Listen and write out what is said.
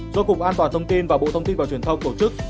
do cục an toàn thông tin và bộ thông tin và truyền thông tổ chức